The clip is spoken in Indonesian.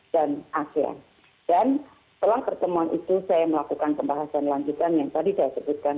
dan setelah pertemuan itu saya melakukan pembahasan lanjutan yang tadi saya sebutkan